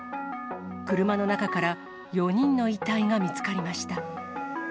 車の中から４人の遺体が見つかりました。